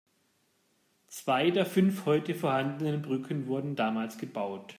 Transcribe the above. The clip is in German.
Zwei der fünf heute vorhandenen Brücken wurden damals gebaut.